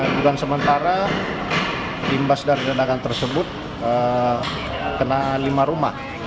juga sementara tim bas dari ledakan tersebut kena lima rumah